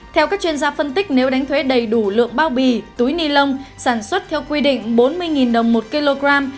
theo các chuyên gia phân tích nếu đánh thuế đầy đủ lượng bao bì túi ni lông sản xuất theo quy định bốn mươi đồng một kg